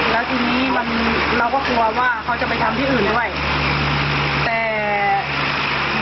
แล้วทีนี้เราก็กลัวว่าเค้าจะไปทำที่อื่นได้ไว้